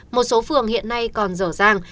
một số phường hiện nay còn rõ ràng